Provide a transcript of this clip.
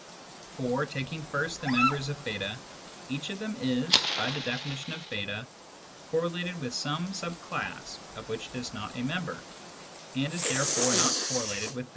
For, taking first the members of B, each of them is (by the definition of B) correlated with some sub class of which it is not a member, and is therefore not correlated with B.